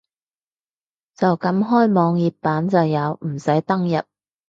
就咁開網頁版就有，唔使登入